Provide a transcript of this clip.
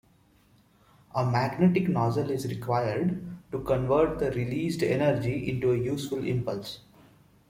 A magnetic nozzle is required to convert the released energy into a useful impulse.